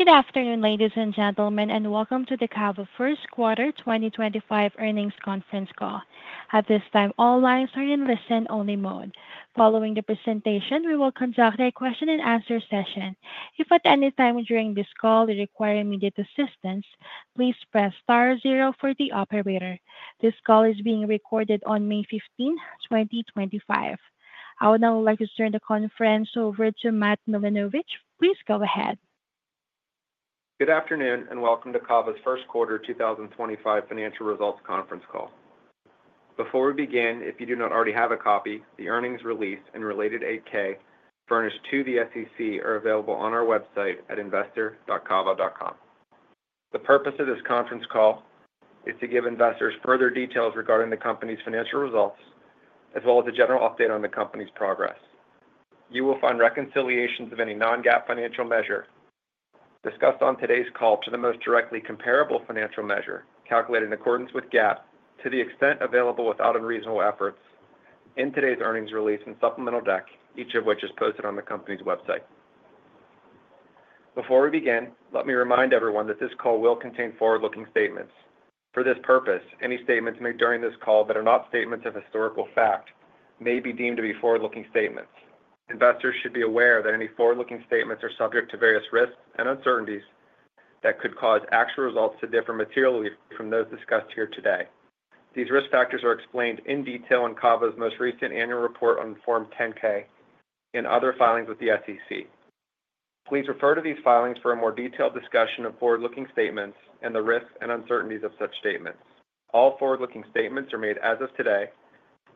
Good afternoon, ladies and gentlemen, and welcome to the CAVA First Quarter 2025 Earnings Conference Call. At this time, all lines are in listen-only mode. Following the presentation, we will conduct a question-and-answer session. If at any time during this call you require immediate assistance, please press star zero for the operator. This call is being recorded on May 15, 2025. I would now like to turn the conference over to Matt Milanovich. Please go ahead. Good afternoon, and welcome to CAVA's First Quarter 2025 Financial Results Conference Call. Before we begin, if you do not already have a copy, the earnings release and related 8-K furnished to the SEC are available on our website at investor.cava.com. The purpose of this conference call is to give investors further details regarding the company's financial results, as well as a general update on the company's progress. You will find reconciliations of any non-GAAP financial measure discussed on today's call to the most directly comparable financial measure calculated in accordance with GAAP to the extent available without unreasonable efforts in today's earnings release and supplemental deck, each of which is posted on the company's website. Before we begin, let me remind everyone that this call will contain forward-looking statements. For this purpose, any statements made during this call that are not statements of historical fact may be deemed to be forward-looking statements. Investors should be aware that any forward-looking statements are subject to various risks and uncertainties that could cause actual results to differ materially from those discussed here today. These risk factors are explained in detail in CAVA's most recent annual report on Form 10-K and other filings with the SEC. Please refer to these filings for a more detailed discussion of forward-looking statements and the risks and uncertainties of such statements. All forward-looking statements are made as of today,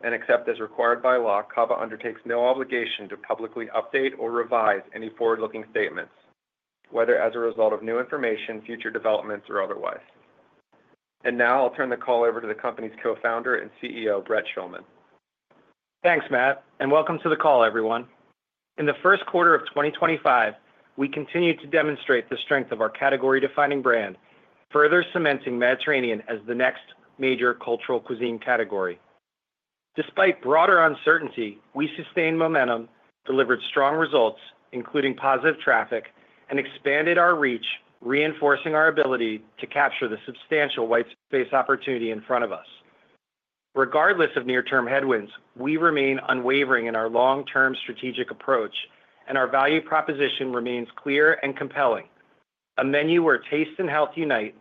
and except as required by law, CAVA undertakes no obligation to publicly update or revise any forward-looking statements, whether as a result of new information, future developments, or otherwise. I will now turn the call over to the company's Co-Founder and CEO, Brett Schulman. Thanks, Matt, and welcome to the call, everyone. In the first quarter of 2025, we continue to demonstrate the strength of our category-defining brand, further cementing Mediterranean as the next major cultural cuisine category. Despite broader uncertainty, we sustained momentum, delivered strong results, including positive traffic, and expanded our reach, reinforcing our ability to capture the substantial white space opportunity in front of us. Regardless of near-term headwinds, we remain unwavering in our long-term strategic approach, and our value proposition remains clear and compelling: a menu where taste and health unite,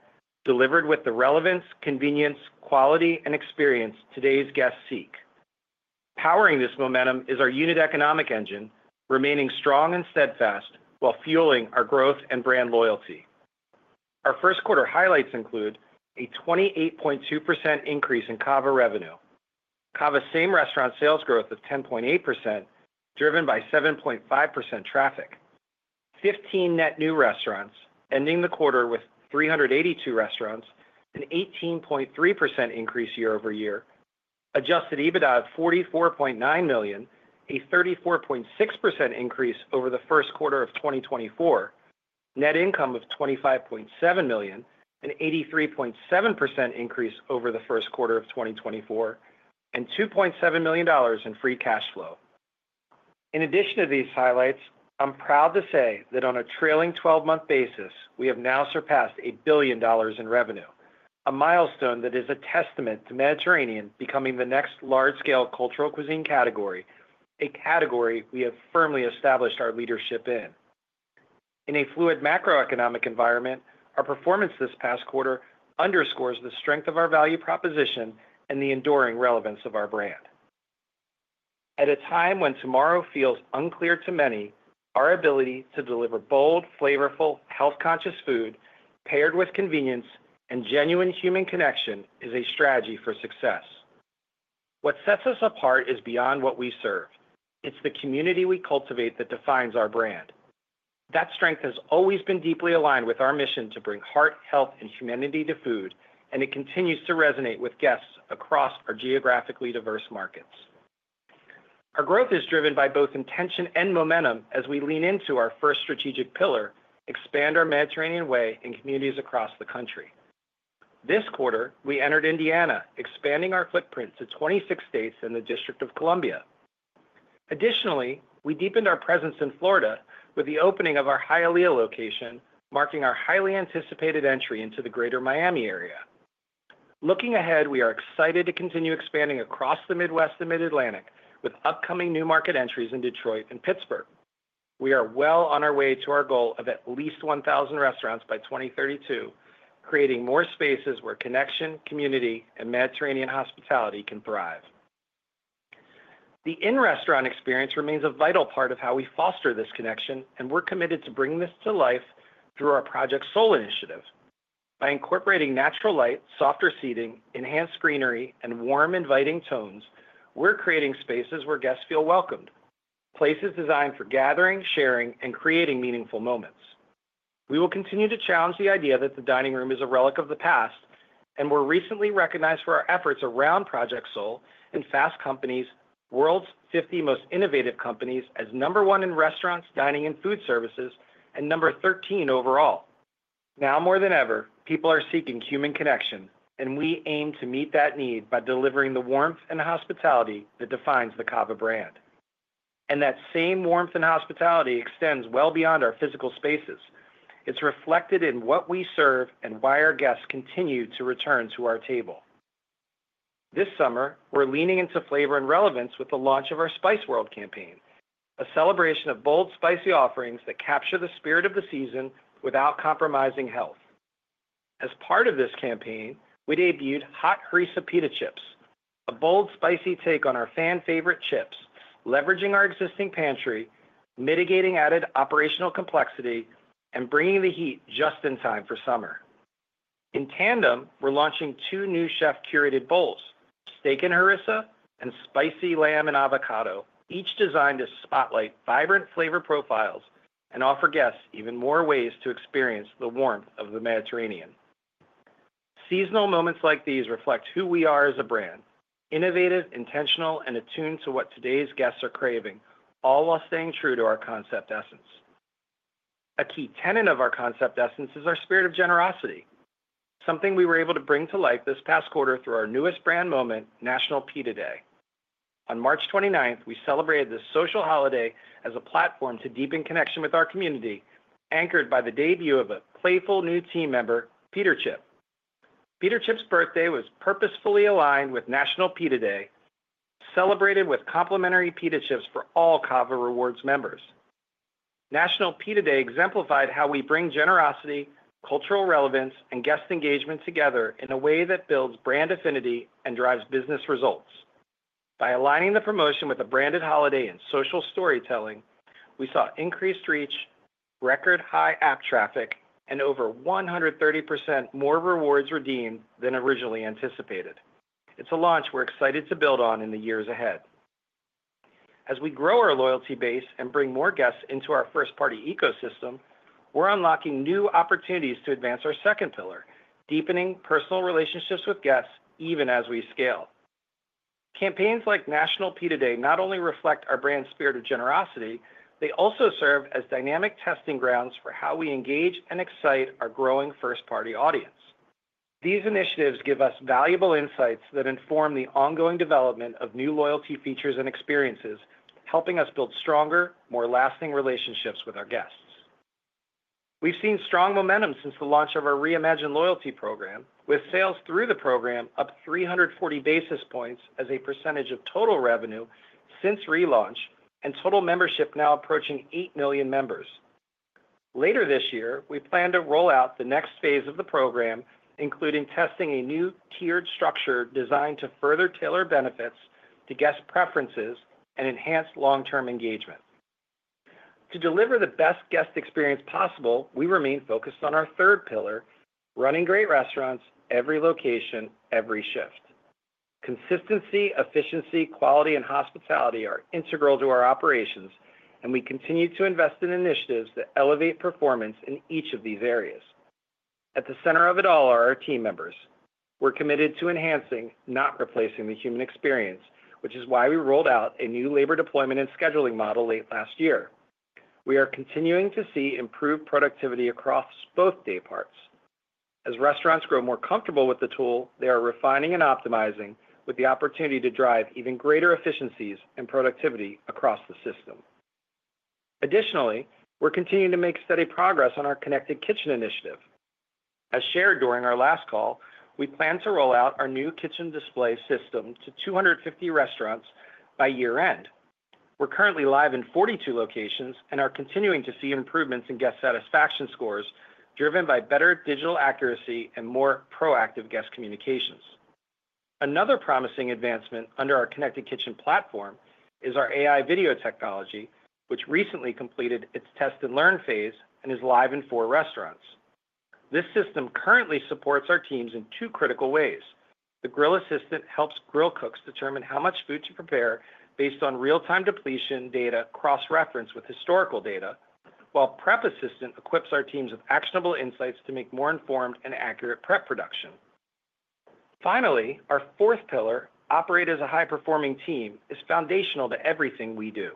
delivered with the relevance, convenience, quality, and experience today's guests seek. Powering this momentum is our unit economic engine, remaining strong and steadfast while fueling our growth and brand loyalty. Our first quarter highlights include a 28.2% increase in CAVA revenue, CAVA's same restaurant sales growth of 10.8%, driven by 7.5% traffic, 15 net new restaurants, ending the quarter with 382 restaurants, an 18.3% increase year-over-year, adjusted EBITDA of $44.9 million, a 34.6% increase over the first quarter of 2024, net income of $25.7 million, an 83.7% increase over the first quarter of 2024, and $2.7 million in free cash flow. In addition to these highlights, I'm proud to say that on a trailing 12-month basis, we have now surpassed $1 billion in revenue, a milestone that is a testament to Mediterranean becoming the next large-scale cultural cuisine category, a category we have firmly established our leadership in. In a fluid macroeconomic environment, our performance this past quarter underscores the strength of our value proposition and the enduring relevance of our brand. At a time when tomorrow feels unclear to many, our ability to deliver bold, flavorful, health-conscious food paired with convenience and genuine human connection is a strategy for success. What sets us apart is beyond what we serve. It is the community we cultivate that defines our brand. That strength has always been deeply aligned with our mission to bring heart, health, and humanity to food, and it continues to resonate with guests across our geographically diverse markets. Our growth is driven by both intention and momentum as we lean into our first strategic pillar, expand our Mediterranean way in communities across the country. This quarter, we entered Indiana, expanding our footprint to 26 states in the District of Columbia. Additionally, we deepened our presence in Florida with the opening of our Hialeah location, marking our highly anticipated entry into the greater Miami area. Looking ahead, we are excited to continue expanding across the Midwest and Mid-Atlantic with upcoming new market entries in Detroit and Pittsburgh. We are well on our way to our goal of at least 1,000 restaurants by 2032, creating more spaces where connection, community, and Mediterranean hospitality can thrive. The in-restaurant experience remains a vital part of how we foster this connection, and we're committed to bringing this to life through our Project Soul initiative. By incorporating natural light, softer seating, enhanced greenery, and warm, inviting tones, we're creating spaces where guests feel welcomed, places designed for gathering, sharing, and creating meaningful moments. We will continue to challenge the idea that the dining room is a relic of the past, and we were recently recognized for our efforts around Project Soul and Fast Company’s World's 50 Most Innovative Companies, as number one in restaurants, dining, and food services, and number 13 overall. Now more than ever, people are seeking human connection, and we aim to meet that need by delivering the warmth and hospitality that defines the CAVA brand. That same warmth and hospitality extends well beyond our physical spaces. It is reflected in what we serve and why our guests continue to return to our table. This summer, we are leaning into flavor and relevance with the launch of our Spice World campaign, a celebration of bold, spicy offerings that capture the spirit of the season without compromising health. As part of this campaign, we debuted Hot Harissa Pita Chips, a bold, spicy take on our fan-favorite chips, leveraging our existing pantry, mitigating added operational complexity, and bringing the heat just in time for summer. In tandem, we're launching two new chef-curated bowls, Steak and Harissa and Spicy Lamb and Avocado, each designed to spotlight vibrant flavor profiles and offer guests even more ways to experience the warmth of the Mediterranean. Seasonal moments like these reflect who we are as a brand: innovative, intentional, and attuned to what today's guests are craving, all while staying true to our concept essence. A key tenet of our concept essence is our spirit of generosity, something we were able to bring to life this past quarter through our newest brand moment, National Pita Day. On March 29, we celebrated this social holiday as a platform to deepen connection with our community, anchored by the debut of a playful new team member, Pita Chip. Pita Chip's birthday was purposefully aligned with National Pita Day, celebrated with complimentary Pita Chips for all CAVA Rewards members. National Pita Day exemplified how we bring generosity, cultural relevance, and guest engagement together in a way that builds brand affinity and drives business results. By aligning the promotion with a branded holiday and social storytelling, we saw increased reach, record-high app traffic, and over 130% more rewards redeemed than originally anticipated. It's a launch we're excited to build on in the years ahead. As we grow our loyalty base and bring more guests into our first-party ecosystem, we're unlocking new opportunities to advance our second pillar, deepening personal relationships with guests even as we scale. Campaigns like National Pita Day not only reflect our brand's spirit of generosity, they also serve as dynamic testing grounds for how we engage and excite our growing first-party audience. These initiatives give us valuable insights that inform the ongoing development of new loyalty features and experiences, helping us build stronger, more lasting relationships with our guests. We've seen strong momentum since the launch of our Reimagine Loyalty program, with sales through the program up 340 basis points as a percentage of total revenue since relaunch and total membership now approaching 8 million members. Later this year, we plan to roll out the next phase of the program, including testing a new tiered structure designed to further tailor benefits to guest preferences and enhance long-term engagement. To deliver the best guest experience possible, we remain focused on our third pillar, running great restaurants every location, every shift. Consistency, efficiency, quality, and hospitality are integral to our operations, and we continue to invest in initiatives that elevate performance in each of these areas. At the center of it all are our team members. We're committed to enhancing, not replacing, the human experience, which is why we rolled out a new labor deployment and scheduling model late last year. We are continuing to see improved productivity across both day parts. As restaurants grow more comfortable with the tool, they are refining and optimizing, with the opportunity to drive even greater efficiencies and productivity across the system. Additionally, we're continuing to make steady progress on our Connected Kitchen initiative. As shared during our last call, we plan to roll out our new kitchen display system to 250 restaurants by year-end. We're currently live in 42 locations and are continuing to see improvements in guest satisfaction scores driven by better digital accuracy and more proactive guest communications. Another promising advancement under our Connected Kitchen platform is our AI camera vision technology, which recently completed its test-and-learn phase and is live in four restaurants. This system currently supports our teams in two critical ways. The Grill Assistant helps grill cooks determine how much food to prepare based on real-time depletion data cross-referenced with historical data, while Prep Assistant equips our teams with actionable insights to make more informed and accurate prep production. Finally, our fourth pillar, operate as a high-performing team, is foundational to everything we do.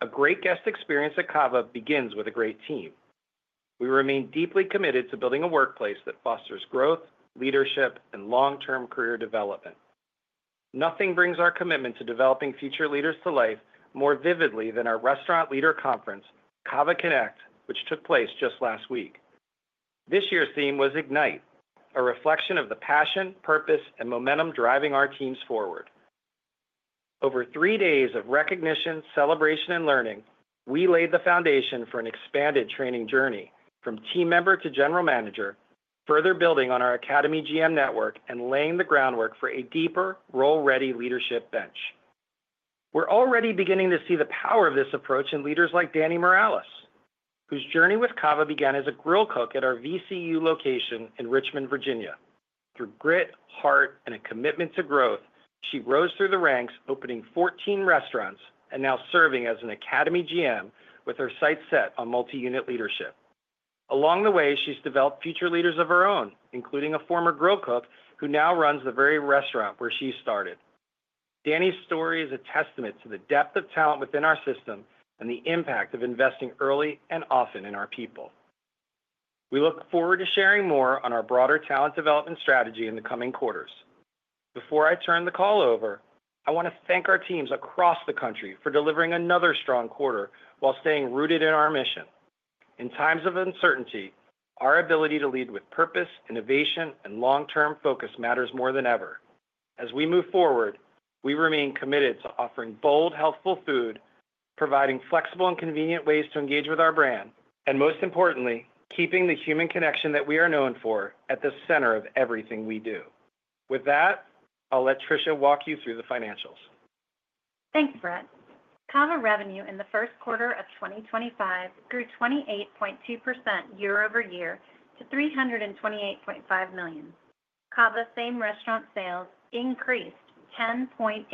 A great guest experience at CAVA begins with a great team. We remain deeply committed to building a workplace that fosters growth, leadership, and long-term career development. Nothing brings our commitment to developing future leaders to life more vividly than our restaurant leader conference, CAVA Connect, which took place just last week. This year's theme was Ignite, a reflection of the passion, purpose, and momentum driving our teams forward. Over three days of recognition, celebration, and learning, we laid the foundation for an expanded training journey from team member to general manager, further building on our Academy GM network and laying the groundwork for a deeper, role-ready leadership bench. We're already beginning to see the power of this approach in leaders like Danny Morales, whose journey with CAVA began as a grill cook at our VCU location in Richmond, Virginia. Through grit, heart, and a commitment to growth, she rose through the ranks, opening 14 restaurants and now serving as an Academy GM with her sights set on multi-unit leadership. Along the way, she's developed future leaders of her own, including a former grill cook who now runs the very restaurant where she started. Danny's story is a testament to the depth of talent within our system and the impact of investing early and often in our people. We look forward to sharing more on our broader talent development strategy in the coming quarters. Before I turn the call over, I want to thank our teams across the country for delivering another strong quarter while staying rooted in our mission. In times of uncertainty, our ability to lead with purpose, innovation, and long-term focus matters more than ever. As we move forward, we remain committed to offering bold, healthful food, providing flexible and convenient ways to engage with our brand, and most importantly, keeping the human connection that we are known for at the center of everything we do. With that, I'll let Tricia walk you through the financials. Thanks, Brett. CAVA revenue in the first quarter of 2025 grew 28.2% year-over-year to $328.5 million. CAVA's same restaurant sales increased 10.8%,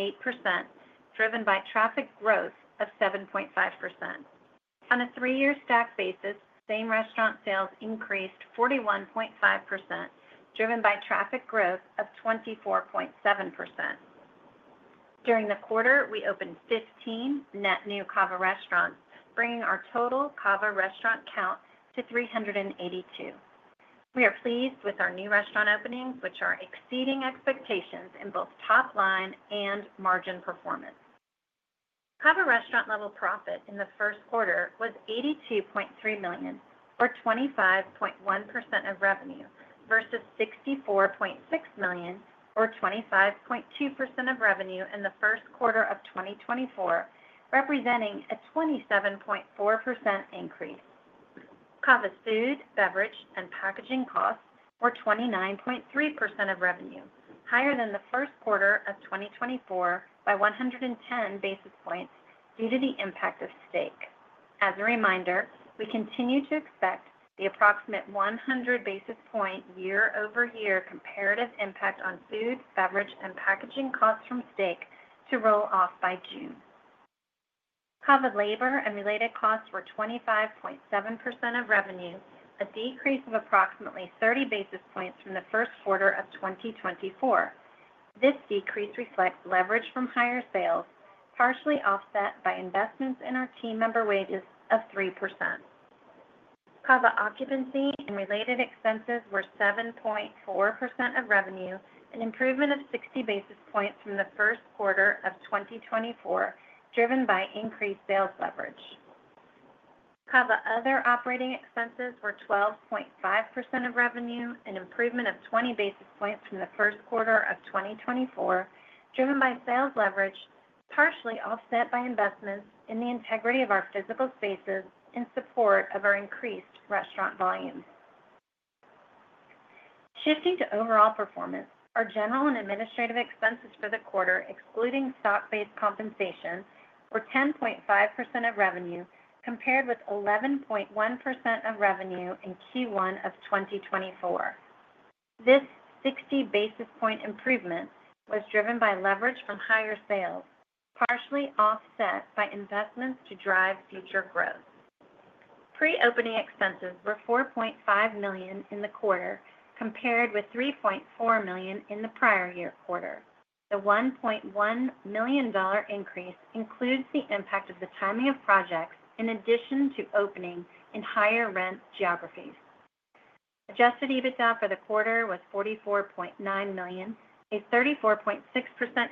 driven by traffic growth of 7.5%. On a three-year stack basis, same restaurant sales increased 41.5%, driven by traffic growth of 24.7%. During the quarter, we opened 15 net new CAVA restaurants, bringing our total CAVA restaurant count to 382. We are pleased with our new restaurant openings, which are exceeding expectations in both top-line and margin performance. CAVA restaurant-level profit in the first quarter was $82.3 million, or 25.1% of revenue, versus $64.6 million, or 25.2% of revenue in the first quarter of 2024, representing a 27.4% increase. CAVA's food, beverage, and packaging costs were 29.3% of revenue, higher than the first quarter of 2024 by 110 basis points due to the impact of steak. As a reminder, we continue to expect the approximate 100 basis point year-over-year comparative impact on food, beverage, and packaging costs from steak to roll off by June. CAVA labor and related costs were 25.7% of revenue, a decrease of approximately 30 basis points from the first quarter of 2024. This decrease reflects leverage from higher sales, partially offset by investments in our team member wages of 3%. CAVA occupancy and related expenses were 7.4% of revenue, an improvement of 60 basis points from the first quarter of 2024, driven by increased sales leverage. CAVA other operating expenses were 12.5% of revenue, an improvement of 20 basis points from the first quarter of 2024, driven by sales leverage, partially offset by investments in the integrity of our physical spaces in support of our increased restaurant volume. Shifting to overall performance, our general and administrative expenses for the quarter, excluding stock-based compensation, were 10.5% of revenue, compared with 11.1% of revenue in Q1 of 2024. This 60 basis point improvement was driven by leverage from higher sales, partially offset by investments to drive future growth. Pre-opening expenses were $4.5 million in the quarter, compared with $3.4 million in the prior year quarter. The $1.1 million increase includes the impact of the timing of projects in addition to opening in higher-rent geographies. Adjusted EBITDA for the quarter was $44.9 million, a 34.6%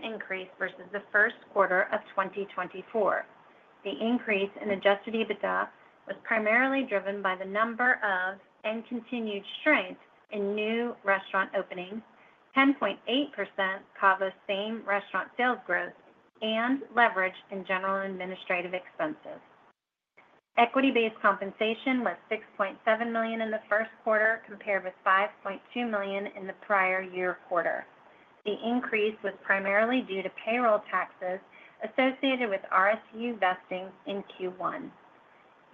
increase versus the first quarter of 2024. The increase in adjusted EBITDA was primarily driven by the number of and continued strength in new restaurant openings, 10.8% CAVA's same restaurant sales growth, and leverage in general and administrative expenses. Equity-based compensation was $6.7 million in the first quarter, compared with $5.2 million in the prior year quarter. The increase was primarily due to payroll taxes associated with RSU vesting in Q1.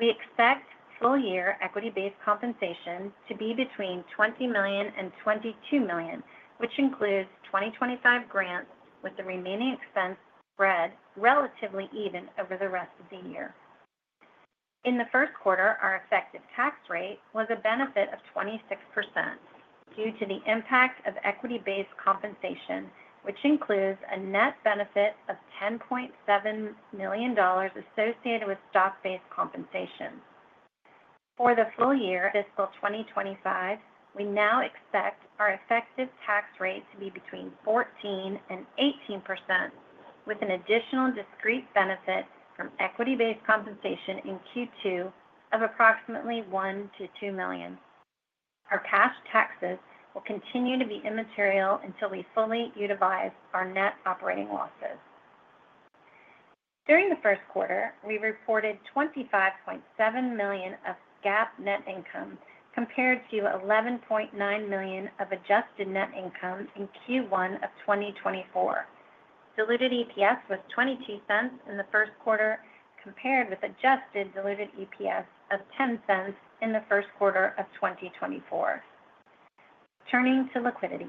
We expect full-year equity-based compensation to be between $20 million and $22 million, which includes 2025 grants, with the remaining expense spread relatively even over the rest of the year. In the first quarter, our effective tax rate was a benefit of 26% due to the impact of equity-based compensation, which includes a net benefit of $10.7 million associated with stock-based compensation. For the full year fiscal 2025, we now expect our effective tax rate to be between 14%-18%, with an additional discrete benefit from equity-based compensation in Q2 of approximately $1 million-$2 million. Our cash taxes will continue to be immaterial until we fully utilize our net operating losses. During the first quarter, we reported $25.7 million of GAAP net income compared to $11.9 million of adjusted net income in Q1 of 2024. Diluted EPS was $0.22 in the first quarter, compared with adjusted diluted EPS of $0.10 in the first quarter of 2024. Turning to liquidity.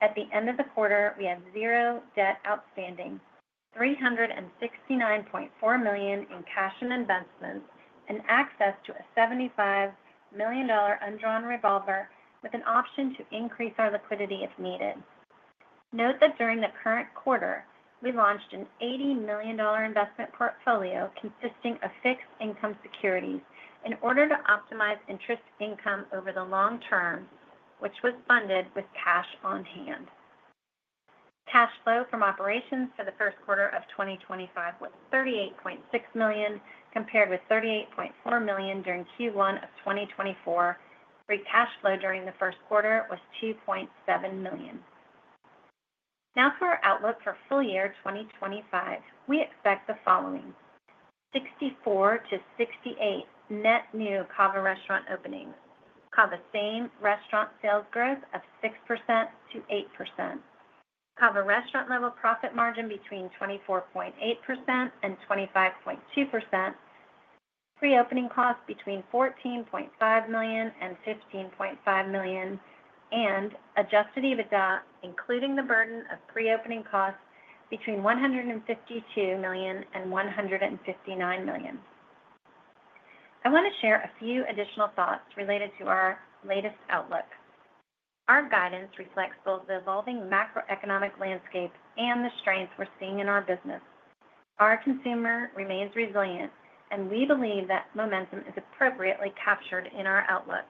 At the end of the quarter, we had zero debt outstanding, $369.4 million in cash and investments, and access to a $75 million undrawn revolver with an option to increase our liquidity if needed. Note that during the current quarter, we launched an $80 million investment portfolio consisting of fixed income securities in order to optimize interest income over the long term, which was funded with cash on hand. Cash flow from operations for the first quarter of 2025 was $38.6 million, compared with $38.4 million during Q1 of 2024, where cash flow during the first quarter was $2.7 million. Now for our outlook for full year 2025, we expect the following: 64-68 net new CAVA restaurant openings, CAVA same restaurant sales growth of 6%-8%, CAVA restaurant-level profit margin between 24.8%-25.2%, pre-opening costs between $14.5 million and $15.5 million, and adjusted EBITDA, including the burden of pre-opening costs, between $152 million and $159 million. I want to share a few additional thoughts related to our latest outlook. Our guidance reflects both the evolving macroeconomic landscape and the strengths we're seeing in our business. Our consumer remains resilient, and we believe that momentum is appropriately captured in our outlook.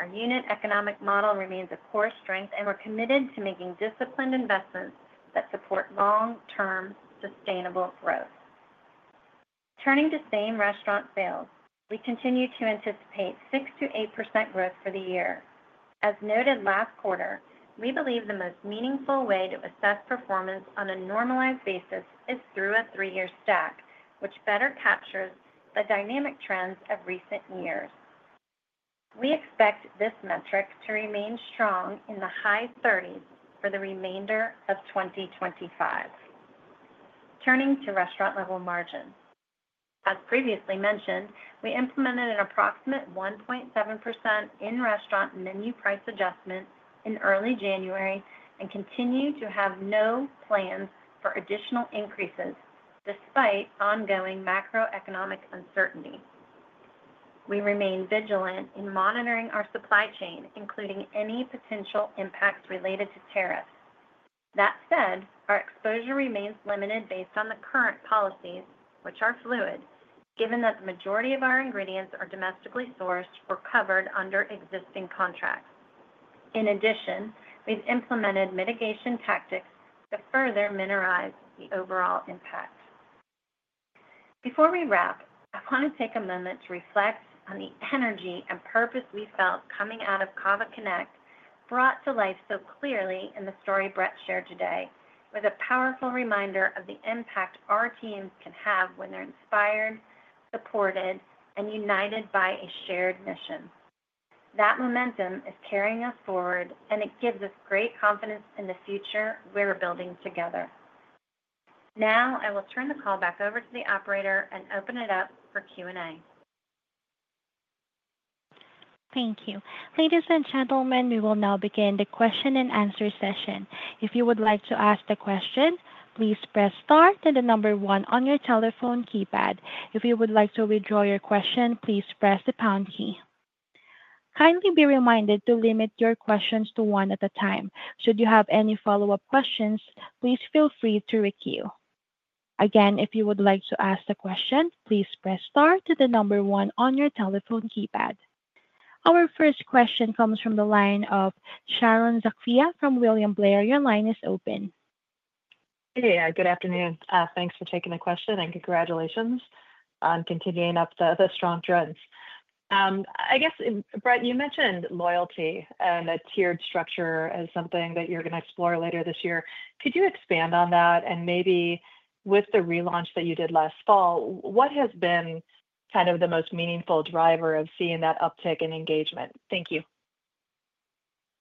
Our unit economic model remains a core strength, and we're committed to making disciplined investments that support long-term sustainable growth. Turning to same restaurant sales, we continue to anticipate 6%-8% growth for the year. As noted last quarter, we believe the most meaningful way to assess performance on a normalized basis is through a three-year stack, which better captures the dynamic trends of recent years. We expect this metric to remain strong in the high 30% for the remainder of 2025. Turning to restaurant-level margins. As previously mentioned, we implemented an approximate 1.7% in restaurant menu price adjustment in early January and continue to have no plans for additional increases despite ongoing macroeconomic uncertainty. We remain vigilant in monitoring our supply chain, including any potential impacts related to tariffs. That said, our exposure remains limited based on the current policies, which are fluid, given that the majority of our ingredients are domestically sourced or covered under existing contracts. In addition, we've implemented mitigation tactics to further minimize the overall impact. Before we wrap, I want to take a moment to reflect on the energy and purpose we felt coming out of CAVA Connect, brought to life so clearly in the story Brett shared today, with a powerful reminder of the impact our teams can have when they're inspired, supported, and united by a shared mission. That momentum is carrying us forward, and it gives us great confidence in the future we're building together. Now I will turn the call back over to the operator and open it up for Q&A. Thank you. Ladies and gentlemen, we will now begin the question and answer session. If you would like to ask a question, please press star and the number one on your telephone keypad. If you would like to withdraw your question, please press the pound key. Kindly be reminded to limit your questions to one at a time. Should you have any follow-up questions, please feel free to require. Again, if you would like to ask a question, please press star and the number one on your telephone keypad. Our first question comes from the line of Sharon Zackfia from William Blair. Your line is open. Hey, good afternoon. Thanks for taking the question and congratulations on continuing up the strong trends. I guess, Brett, you mentioned loyalty and a tiered structure as something that you're going to explore later this year. Could you expand on that? And maybe with the relaunch that you did last fall, what has been kind of the most meaningful driver of seeing that uptick in engagement? Thank you.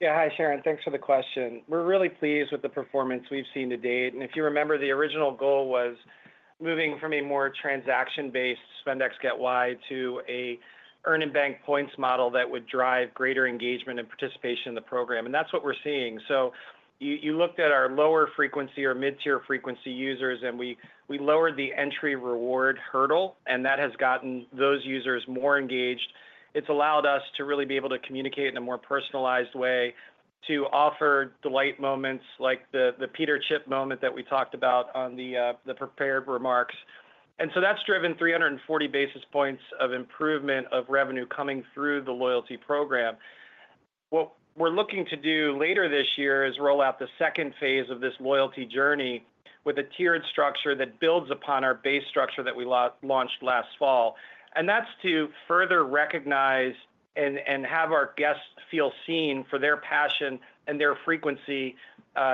Yeah, hi, Sharon. Thanks for the question. We're really pleased with the performance we've seen to date. If you remember, the original goal was moving from a more transaction-based spend X get Y to an earn and bank points model that would drive greater engagement and participation in the program. That is what we are seeing. You looked at our lower frequency or mid-tier frequency users, and we lowered the entry reward hurdle, and that has gotten those users more engaged. It has allowed us to really be able to communicate in a more personalized way, to offer delight moments like the Pita Chip moment that we talked about in the prepared remarks. That has driven 340 basis points of improvement of revenue coming through the loyalty program. What we are looking to do later this year is roll out the second phase of this loyalty journey with a tiered structure that builds upon our base structure that we launched last fall. That is to further recognize and have our guests feel seen for their passion and their frequency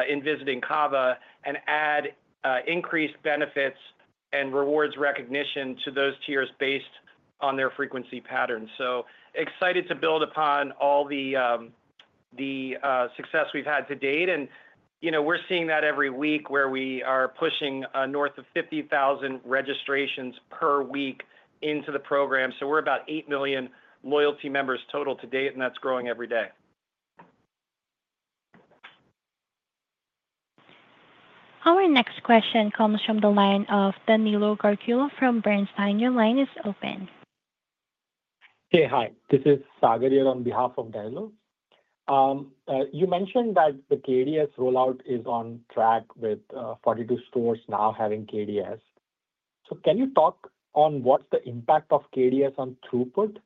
in visiting CAVA and add increased benefits and rewards recognition to those tiers based on their frequency patterns. Excited to build upon all the success we have had to date. We are seeing that every week where we are pushing north of 50,000 registrations per week into the program. We are about 8 million loyalty members total to date, and that is growing every day. Our next question comes from the line of Danilo Gargiulo from Brent Stein. Your line is open. Hi. This is Sagar here on behalf of Danilo. You mentioned that the KDS rollout is on track with 42 stores now having KDS. Can you talk on what's the impact of KDS on throughput,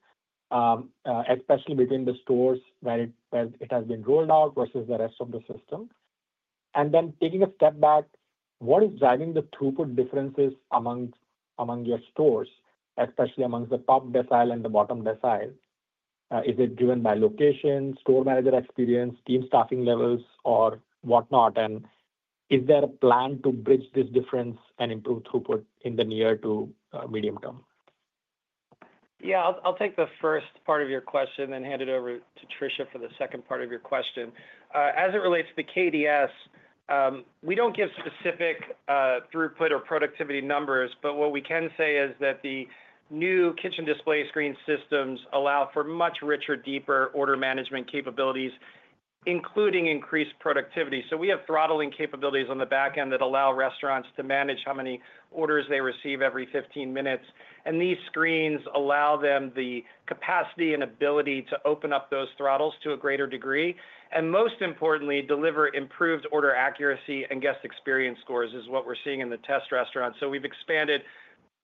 especially between the stores where it has been rolled out versus the rest of the system? Taking a step back, what is driving the throughput differences among your stores, especially amongst the top decile and the bottom decile? Is it driven by location, store manager experience, team staffing levels, or whatnot? Is there a plan to bridge this difference and improve throughput in the near to medium term? I'll take the first part of your question and hand it over to Tricia for the second part of your question. As it relates to the KDS, we don't give specific throughput or productivity numbers, but what we can say is that the new kitchen display screen systems allow for much richer, deeper order management capabilities, including increased productivity. We have throttling capabilities on the back end that allow restaurants to manage how many orders they receive every 15 minutes. These screens allow them the capacity and ability to open up those throttles to a greater degree. Most importantly, deliver improved order accuracy and guest experience scores is what we're seeing in the test restaurant. We've expanded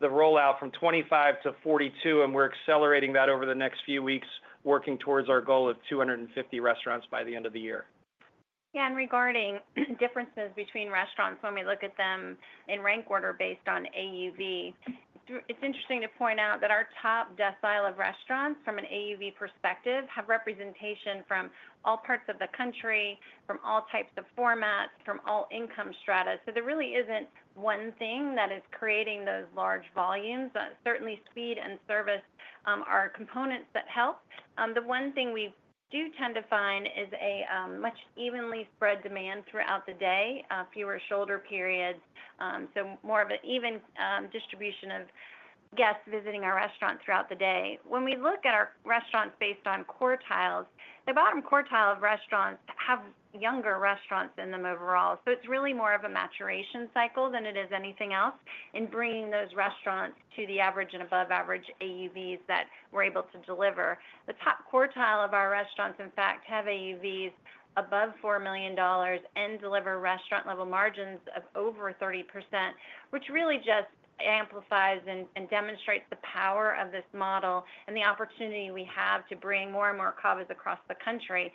the rollout from 25 to 42, and we're accelerating that over the next few weeks, working towards our goal of 250 restaurants by the end of the year. Yeah, regarding differences between restaurants when we look at them in rank order based on AUV, it's interesting to point out that our top decile of restaurants from an AUV perspective have representation from all parts of the country, from all types of formats, from all income strata. There really isn't one thing that is creating those large volumes. Certainly, speed and service are components that help. The one thing we do tend to find is a much evenly spread demand throughout the day, fewer shoulder periods, so more of an even distribution of guests visiting our restaurant throughout the day. When we look at our restaurants based on quartiles, the bottom quartile of restaurants have younger restaurants in them overall. It is really more of a maturation cycle than it is anything else in bringing those restaurants to the average and above average AUVs that we're able to deliver. The top quartile of our restaurants, in fact, have AUVs above $4 million and deliver restaurant-level margins of over 30%, which really just amplifies and demonstrates the power of this model and the opportunity we have to bring more and more CAVA across the country.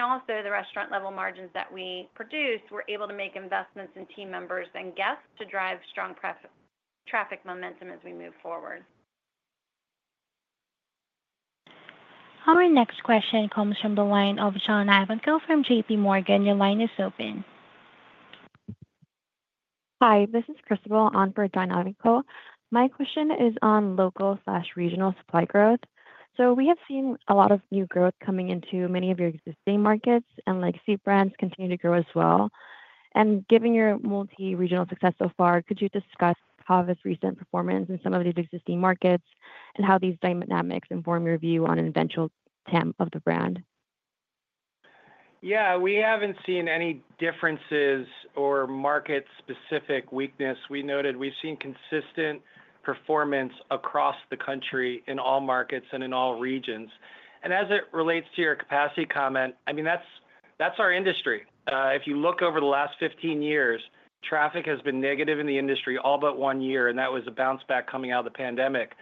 Also, the restaurant-level margins that we produce, we're able to make investments in team members and guests to drive strong traffic momentum as we move forward. Our next question comes from the line of John Ivankoe from JPMorgan. Your line is open. Hi, this is Crystal on for John Ivankoe. My question is on local/regional supply growth. We have seen a lot of new growth coming into many of your existing markets, and legacy brands continue to grow as well. Given your multi-regional success so far, could you discuss CAVA's recent performance in some of these existing markets and how these dynamics inform your view on an eventual TAM of the brand? Yeah, we haven't seen any differences or market-specific weakness. We noted we've seen consistent performance across the country in all markets and in all regions. As it relates to your capacity comment, I mean, that's our industry. If you look over the last 15 years, traffic has been negative in the industry all but one year, and that was a bounce back coming out of the pandemic.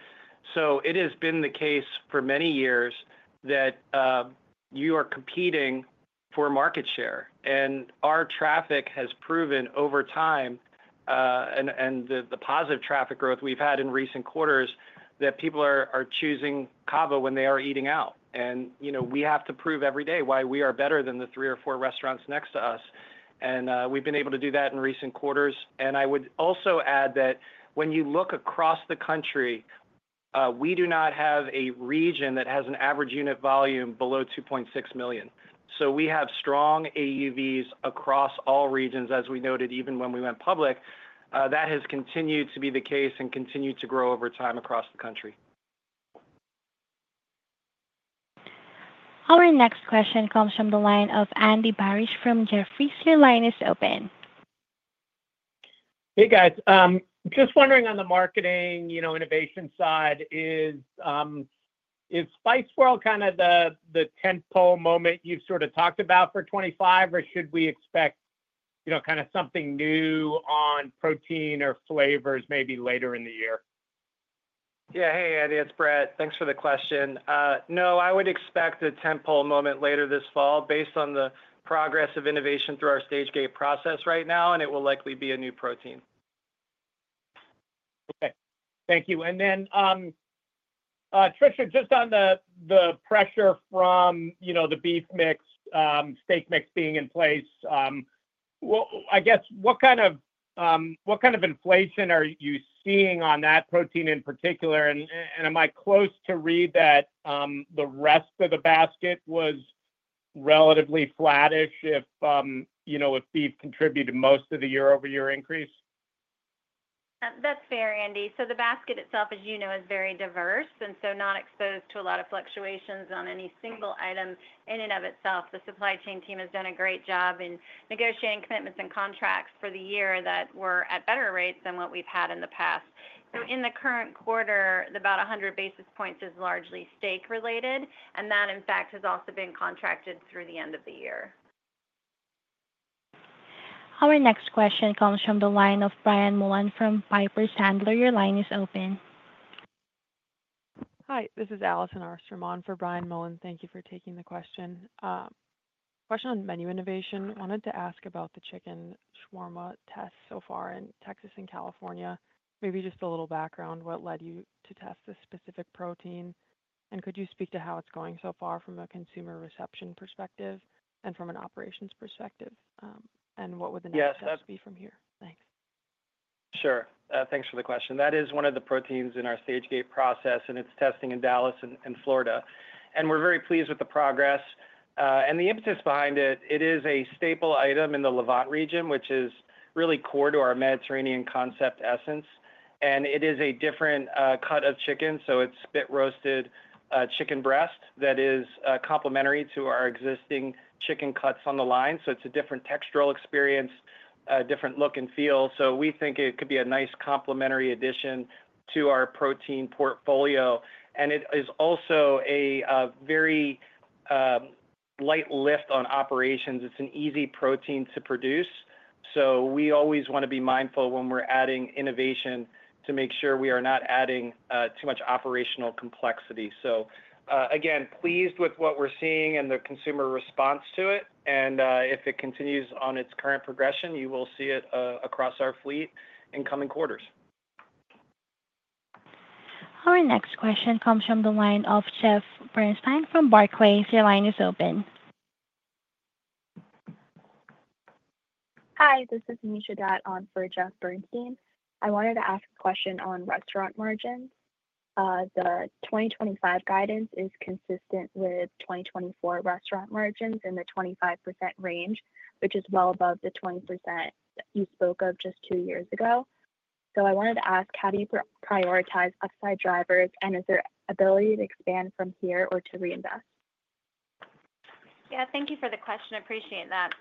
It has been the case for many years that you are competing for market share. Our traffic has proven over time and the positive traffic growth we've had in recent quarters that people are choosing CAVA when they are eating out. We have to prove every day why we are better than the three or four restaurants next to us. We've been able to do that in recent quarters. I would also add that when you look across the country, we do not have a region that has an average unit volume below $2.6 million. We have strong AUVs across all regions, as we noted even when we went public. That has continued to be the case and continued to grow over time across the country. Our next question comes from the line of Andy Barish from Jefferies. Your line is open. Hey, guys. Just wondering on the marketing innovation side, is Spice World kind of the tentpole moment you have sort of talked about for 2025, or should we expect kind of something new on protein or flavors maybe later in the year? Yeah, hey, Andy, it is Brett. Thanks for the question. No, I would expect a tentpole moment later this fall based on the progress of innovation through our stage gate process right now, and it will likely be a new protein. Okay. Thank you. Tricia, just on the pressure from the beef mix, steak mix being in place, I guess, what kind of inflation are you seeing on that protein in particular? Am I close to read that the rest of the basket was relatively flattish if beef contributed most of the year-over-year increase? That's fair, Andy. The basket itself, as you know, is very diverse and not exposed to a lot of fluctuations on any single item in and of itself. The supply chain team has done a great job in negotiating commitments and contracts for the year that were at better rates than what we've had in the past. In the current quarter, about 100 basis points is largely steak-related, and that, in fact, has also been contracted through the end of the year. Our next question comes from the line of Brian Mullan from Piper Sandler. Your line is open. Hi, this is Allison Arfstrom for Brian Mullan. Thank you for taking the question. Question on menu innovation. Wanted to ask about the Chicken Shawarma test so far in Texas and California. Maybe just a little background. What led you to test this specific protein? Could you speak to how it's going so far from a consumer reception perspective and from an operations perspective? What would the next steps be from here? Thanks. Sure. Thanks for the question. That is one of the proteins in our stage gate process, and it's testing in Dallas and Florida. We are very pleased with the progress. The impetus behind it, it is a staple item in the Levant region, which is really core to our Mediterranean concept essence. It is a different cut of chicken. It is spit-roasted chicken breast that is complementary to our existing chicken cuts on the line. It is a different textural experience, different look and feel. We think it could be a nice complementary addition to our protein portfolio. It is also a very light lift on operations. It is an easy protein to produce. We always want to be mindful when we are adding innovation to make sure we are not adding too much operational complexity. Again, pleased with what we are seeing and the consumer response to it. If it continues on its current progression, you will see it across our fleet in coming quarters. Our next question comes from the line of Jeff Bernstein from Barclays. Your line is open. Hi, this is Anisha Datt on for Jeff Bernstein. I wanted to ask a question on restaurant margins. The 2025 guidance is consistent with 2024 restaurant margins in the 25% range, which is well above the 20% you spoke of just two years ago. I wanted to ask, how do you prioritize upside drivers, and is there ability to expand from here or to reinvest? Yeah, thank you for the question. I appreciate that.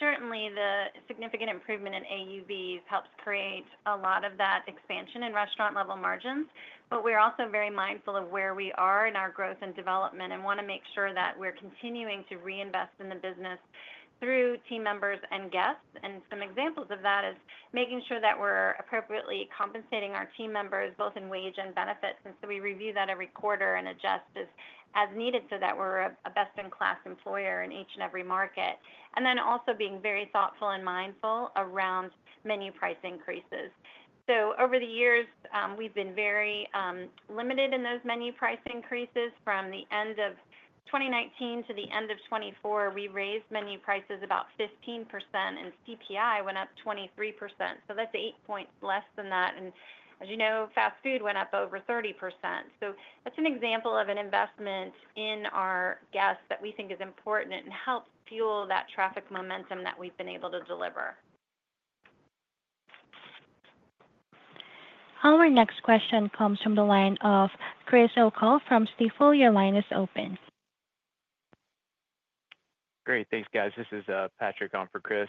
Certainly, the significant improvement in AUVs helps create a lot of that expansion in restaurant-level margins. We are also very mindful of where we are in our growth and development and want to make sure that we are continuing to reinvest in the business through team members and guests. Some examples of that is making sure that we are appropriately compensating our team members both in wage and benefits. We review that every quarter and adjust as needed so that we are a best-in-class employer in each and every market. We are also being very thoughtful and mindful around menu price increases. Over the years, we have been very limited in those menu price increases. From the end of 2019 to the end of 2024, we raised menu prices about 15%, and CPI went up 23%. That is 8 points less than that. As you know, fast food went up over 30%. That is an example of an investment in our guests that we think is important and helps fuel that traffic momentum that we have been able to deliver. Our next question comes from the line of Chris O'Cull from Stifel. Your line is open. Great. Thanks, guys. This is Patrick on for Chris.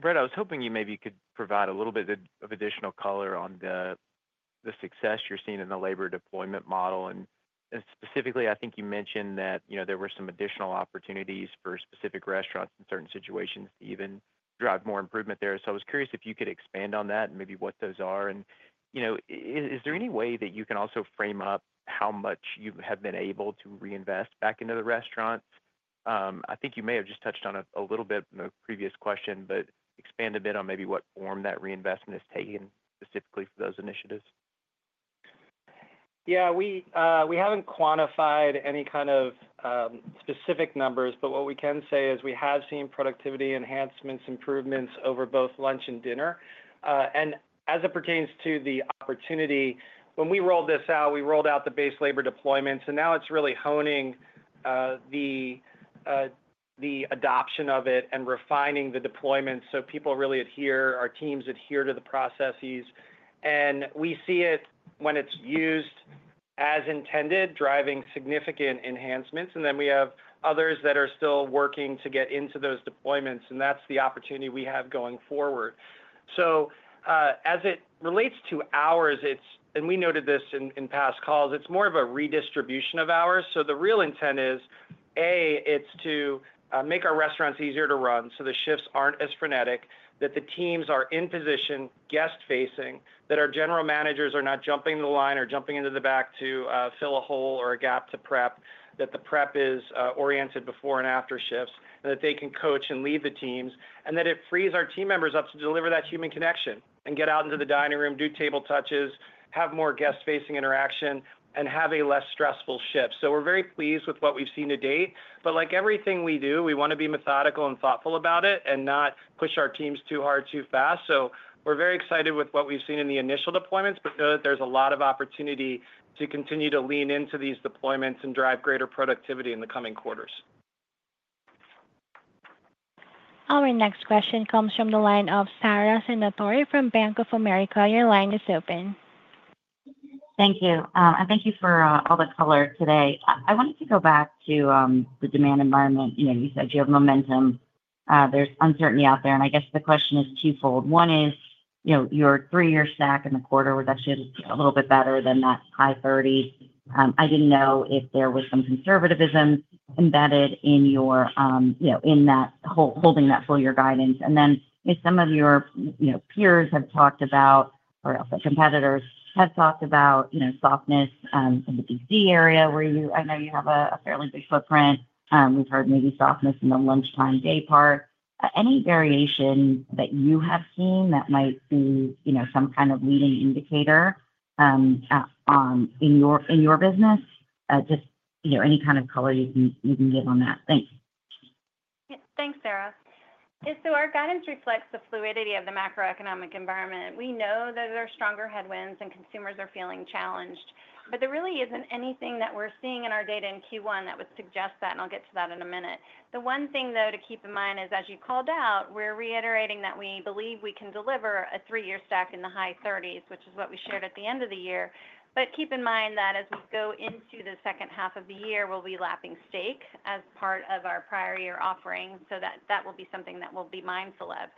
Brett, I was hoping you maybe could provide a little bit of additional color on the success you're seeing in the labor deployment model. Specifically, I think you mentioned that there were some additional opportunities for specific restaurants in certain situations to even drive more improvement there. I was curious if you could expand on that and maybe what those are. Is there any way that you can also frame up how much you have been able to reinvest back into the restaurants? I think you may have just touched on it a little bit in the previous question, but expand a bit on maybe what form that reinvestment has taken specifically for those initiatives. Yeah, we haven't quantified any kind of specific numbers, but what we can say is we have seen productivity enhancements, improvements over both lunch and dinner. As it pertains to the opportunity, when we rolled this out, we rolled out the base labor deployments, and now it is really honing the adoption of it and refining the deployments so people really adhere, our teams adhere to the processes. We see it when it is used as intended, driving significant enhancements. We have others that are still working to get into those deployments, and that is the opportunity we have going forward. As it relates to hours, and we noted this in past calls, it is more of a redistribution of hours. The real intent is, A, it's to make our restaurants easier to run so the shifts aren't as frenetic, that the teams are in position, guest-facing, that our general managers are not jumping the line or jumping into the back to fill a hole or a gap to prep, that the prep is oriented before and after shifts, and that they can coach and lead the teams, and that it frees our team members up to deliver that human connection and get out into the dining room, do table touches, have more guest-facing interaction, and have a less stressful shift. We're very pleased with what we've seen to date. Like everything we do, we want to be methodical and thoughtful about it and not push our teams too hard, too fast. We're very excited with what we've seen in the initial deployments, but know that there's a lot of opportunity to continue to lean into these deployments and drive greater productivity in the coming quarters. Our next question comes from the line of Sara Senatore from Bank of America. Your line is open. Thank you. Thank you for all the color today. I wanted to go back to the demand environment. You said you have momentum. There's uncertainty out there, and I guess the question is twofold. One is your three-year stack in the quarter was actually a little bit better than that high 30. I didn't know if there was some conservatism embedded in that holding that full-year guidance. Then some of your peers have talked about, or the competitors have talked about softness in the D.C. area, where I know you have a fairly big footprint. We've heard maybe softness in the lunchtime day part. Any variation that you have seen that might be some kind of leading indicator in your business? Just any kind of color you can give on that. Thanks. Thanks, Sara. So our guidance reflects the fluidity of the macroeconomic environment. We know that there are stronger headwinds and consumers are feeling challenged, but there really isn't anything that we're seeing in our data in Q1 that would suggest that, and I'll get to that in a minute. The one thing, though, to keep in mind is, as you called out, we're reiterating that we believe we can deliver a three-year stack in the high 30s, which is what we shared at the end of the year. Keep in mind that as we go into the second half of the year, we'll be lapping steak as part of our prior year offering, so that will be something that we'll be mindful of.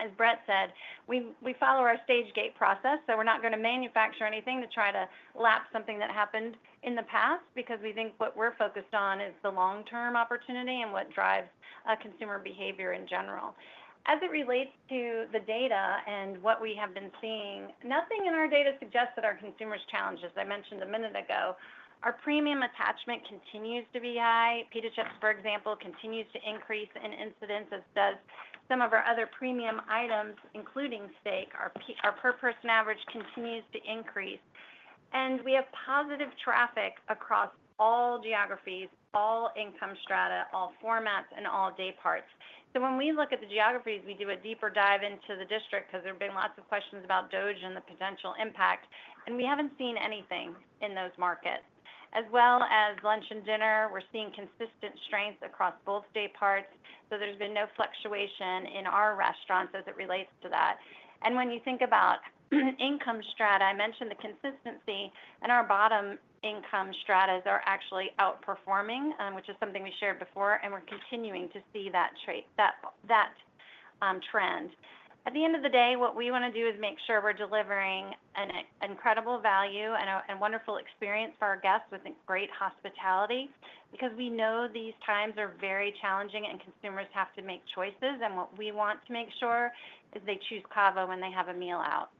As Brett said, we follow our stage gate process, so we're not going to manufacture anything to try to lap something that happened in the past because we think what we're focused on is the long-term opportunity and what drives consumer behavior in general. As it relates to the data and what we have been seeing, nothing in our data suggests that our consumer's challenges, as I mentioned a minute ago, our premium attachment continues to be high. Pita chips, for example, continues to increase in incidence, as does some of our other premium items, including steak. Our per-person average continues to increase. We have positive traffic across all geographies, all income strata, all formats, and all day parts. When we look at the geographies, we do a deeper dive into the district because there have been lots of questions about the district and the potential impact, and we have not seen anything in those markets. As well as lunch and dinner, we are seeing consistent strength across both day parts, so there has been no fluctuation in our restaurants as it relates to that. When you think about income strata, I mentioned the consistency and our bottom income stratas are actually outperforming, which is something we shared before, and we are continuing to see that trend. At the end of the day, what we want to do is make sure we're delivering an incredible value and a wonderful experience for our guests with great hospitality because we know these times are very challenging and consumers have to make choices, and what we want to make sure is they choose CAVA when they have a meal out.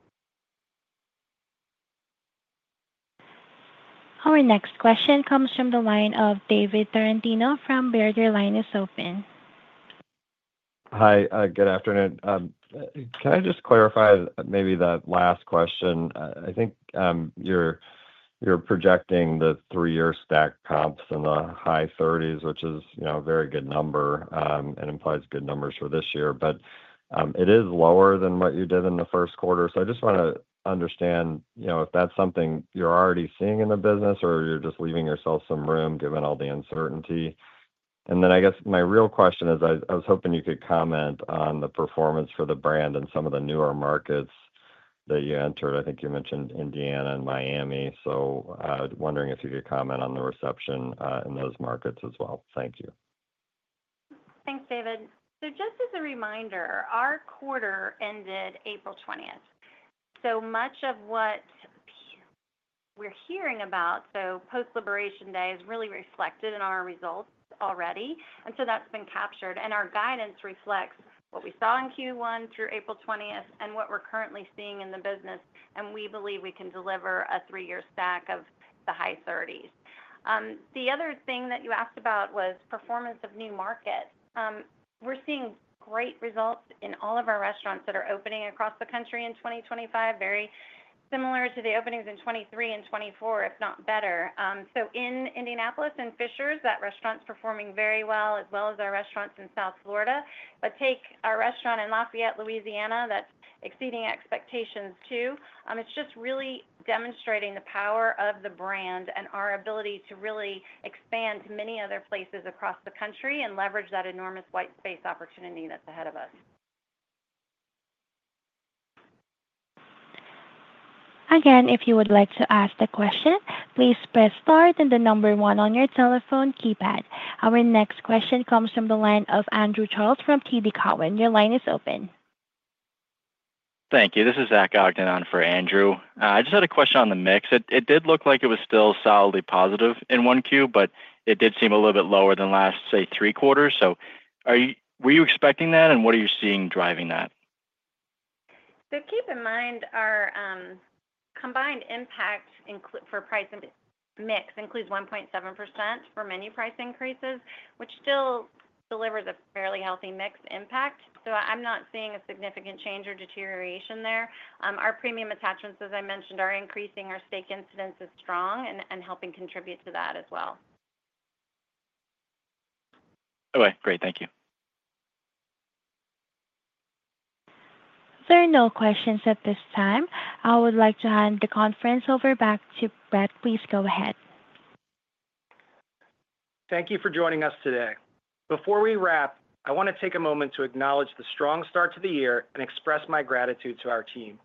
Our next question comes from the line of David Tarantino from Barclays. Line is open. Hi, good afternoon. Can I just clarify maybe the last question? I think you're projecting the three-year stack comps in the high 30s, which is a very good number and implies good numbers for this year, but it is lower than what you did in the first quarter. I just want to understand if that's something you're already seeing in the business or you're just leaving yourself some room given all the uncertainty. I guess my real question is I was hoping you could comment on the performance for the brand in some of the newer markets that you entered. I think you mentioned Indiana and Miami, so I was wondering if you could comment on the reception in those markets as well. Thank you. Thanks, David. Just as a reminder, our quarter ended April 20th. Much of what we are hearing about, so post-liberation day, is really reflected in our results already, and that has been captured. Our guidance reflects what we saw in Q1 through April 20th and what we are currently seeing in the business, and we believe we can deliver a three-year stack of the high 30s. The other thing that you asked about was performance of new markets. We're seeing great results in all of our restaurants that are opening across the country in 2025, very similar to the openings in 2023 and 2024, if not better. In Indianapolis and Fishers, that restaurant's performing very well, as well as our restaurants in South Florida. Take our restaurant in Lafayette, Louisiana, that's exceeding expectations too. It's just really demonstrating the power of the brand and our ability to really expand to many other places across the country and leverage that enormous white space opportunity that's ahead of us. Again, if you would like to ask the question, please press star and the number one on your telephone keypad. Our next question comes from the line of Andrew Charles from TD Cowen. Your line is open. Thank you. This is Zach Ogden on for Andrew. I just had a question on the mix. It did look like it was still solidly positive in 1Q, but it did seem a little bit lower than last, say, three quarters. Were you expecting that, and what are you seeing driving that? Keep in mind our combined impact for price mix includes 1.7% for menu price increases, which still delivers a fairly healthy mixed impact. I'm not seeing a significant change or deterioration there. Our premium attachments, as I mentioned, are increasing. Our steak incidence is strong and helping contribute to that as well. Okay. Great. Thank you. There are no questions at this time. I would like to hand the conference over back to Brett. Please go ahead. Thank you for joining us today. Before we wrap, I want to take a moment to acknowledge the strong start to the year and express my gratitude to our team.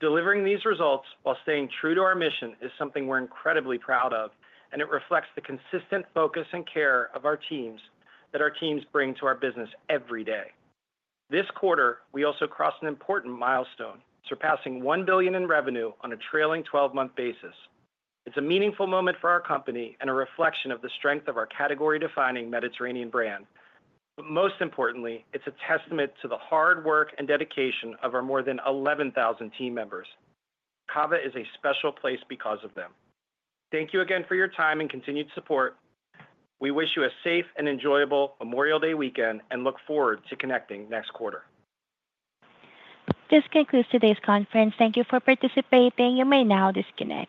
Delivering these results while staying true to our mission is something we're incredibly proud of, and it reflects the consistent focus and care our teams bring to our business every day. This quarter, we also crossed an important milestone, surpassing $1 billion in revenue on a trailing 12-month basis. It's a meaningful moment for our company and a reflection of the strength of our category-defining Mediterranean brand. Most importantly, it's a testament to the hard work and dedication of our more than 11,000 team members. CAVA is a special place because of them. Thank you again for your time and continued support. We wish you a safe and enjoyable Memorial Day weekend and look forward to connecting next quarter. This concludes today's conference. Thank you for participating. You may now disconnect.